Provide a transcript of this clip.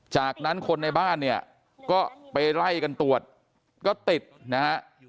จากนั้นคนในบ้านเนี่ยก็ไปไล่กันตรวจก็ติดนะฮะ